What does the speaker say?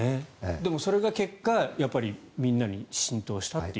でも、それが結果みんなに浸透したっていう。